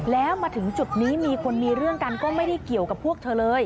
แล้วมาถึงจุดนี้มีคนมีเรื่องกันก็ไม่ได้เกี่ยวกับพวกเธอเลย